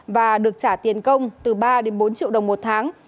và được trả tiền công từ ba đến bốn triệu đồng một tháng